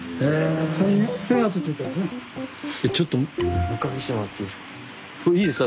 ちょっともう一回見してもらっていいですか？